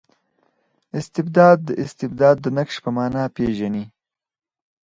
استبداد د استبداد د نقش په مانا پېژني.